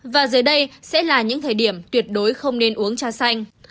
và giờ đây sẽ là những thời điểm tuyệt đối không nên uống trà xanh